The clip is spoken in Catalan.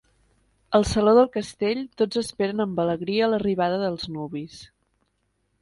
Al saló del castell tots esperen amb alegria l'arribada dels nuvis.